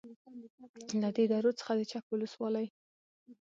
. له دې درو څخه د چک ولسوالۍ